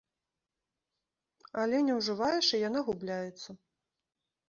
Але не ўжываеш, і яна губляецца.